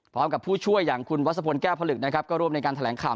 พร้อมกับผู้ช่วยอย่างคุณวัสสะพนแก้พลึกนะครับก็ร่วมในการแถลงข่าว